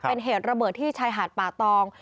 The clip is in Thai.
เป็นเหตุระเบิดที่ชายหาดป่าตอง